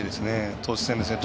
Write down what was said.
投手戦ですね。